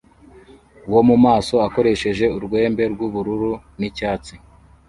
wo mumaso akoresheje urwembe rwubururu nicyatsi